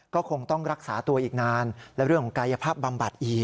ก็คงต้องรักษาตัวอีกนานและเรื่องของกายภาพบำบัดอีก